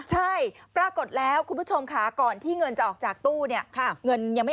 ใช่ปรากฏแล้วคุณผู้ชมค่ะก่อนที่เงินจะออกจากตู้เนี่ยเงินยังไม่